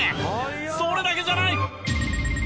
それだけじゃない。